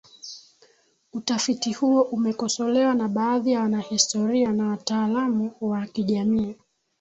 utafiti huo umekosolewa na baadhi ya wanahistoria na wataalamu wa kijamii